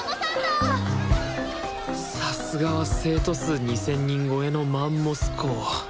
さすがは生徒数２，０００人超えのマンモス校。